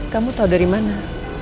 kamu tahu dari mana